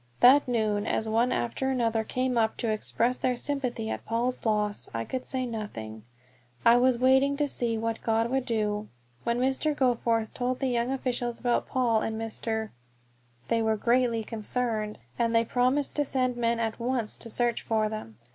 That noon, as one after another came up to express their sympathy at Paul's loss, I could say nothing I was waiting to see what God would do. When Mr. Goforth told the young officials about Paul and Mr. , they were greatly concerned, and promised to send men at once to search for them.